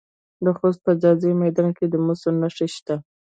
د خوست په ځاځي میدان کې د مسو نښې شته.